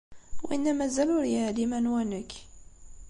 Winna mazal ur yeεlim anwa nekk.